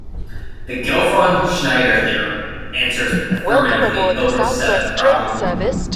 The Gelfond-Schneider theorem answers affirmatively Hilbert's seventh problem.